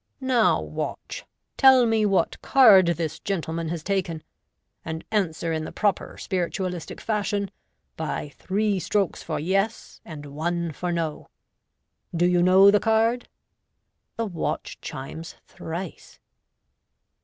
Now, watch, tell me what card this gentleman has taken ; and answer in the proper spiritualistic fashion,, by three strokes for 'yes,' and one for 'no.' Do you know the card? " The watch chimes thrice.